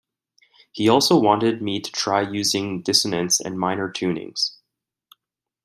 He also wanted me to try using dissonance and minor tunings.